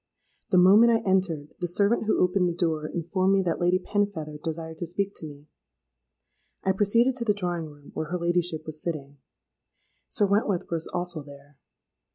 The moment I entered, the servant who opened the door informed me that Lady Penfeather desired to speak to me. I proceeded to the drawing room, where her ladyship was sitting. Sir Wentworth was also there.